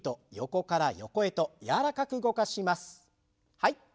はい。